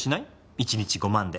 一日５万で。